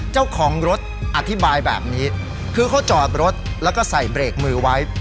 เจ้าของรถอธิบายแบบนี้คือเขาจอดรถแล้วก็ใส่เบรกมือไว้